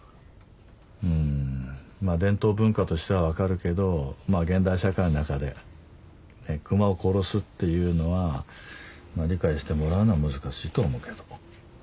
うんまぁ伝統文化としては分かるけど現代社会の中で熊を殺すっていうのは理解してもらうのは難しいと思うけど。